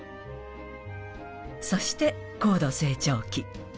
そして高度成長期。